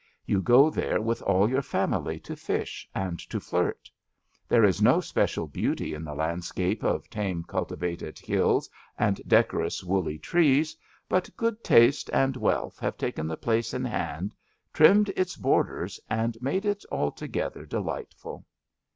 You go there with all your family to fish and to flirt. There is no special beauty in the landscape of tame culti vated hills and decorous, woolly trees, but good taste and wealth have taken the place in hand, trimmed its borders and made it altegettier de Ughtful.